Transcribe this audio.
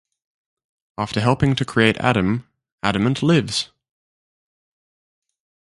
After helping to create Adam Adamant Lives!